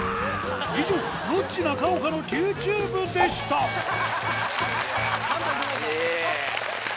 以上「ロッチ中岡のＱＴｕｂｅ」でしたスゴい！